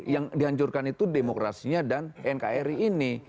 yang dihancurkan itu demokrasinya dan nkri ini